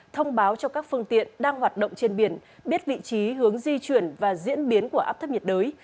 thông báo cho các phương tiện đang hoạt động trên biển biết vị trí hướng di chuyển và diễn biến của áp thấp nhiệt đới